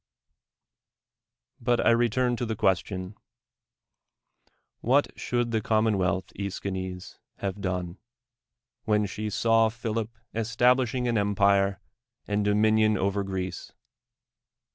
But I return to the question — AVliat should the commonwealth, ^l^schines, have done, when she saw Philip establishing an empire and do minion over Greece?